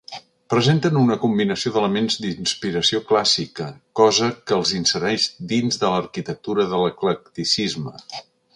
Presenten una combinació d'elements d'inspiració clàssica, cosa que els insereix dins de l'arquitectura de l'eclecticisme.